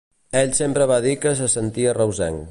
Ell sempre va dir que se sentia reusenc.